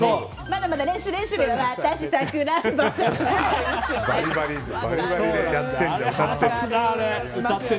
まだまだ練習、練習って。